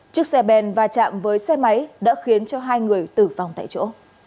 trước xe bèn và chạm với xe máy đã khiến hai người tử vong tại chỗ